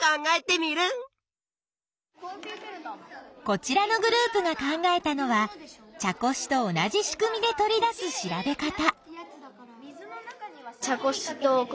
こちらのグループが考えたのは茶こしと同じ仕組みで取り出す調べ方。